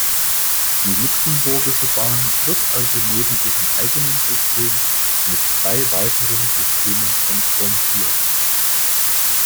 Die luxemburgische Bahn wird also neben ihrem eigenen System mit drei weiteren Systemen konfrontiert.